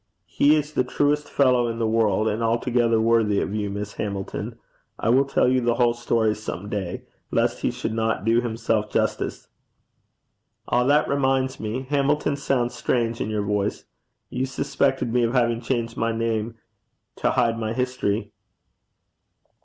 He is the truest fellow in the world, and altogether worthy of you, Miss Hamilton. I will tell you the whole story some day, lest he should not do himself justice.' 'Ah, that reminds me. Hamilton sounds strange in your voice. You suspected me of having changed my name to hide my history?'